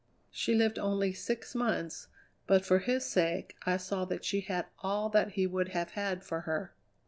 She lived only six months, but for his sake I saw that she had all that he would have had for her.